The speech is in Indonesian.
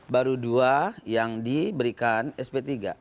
baru dua yang diberikan sp tiga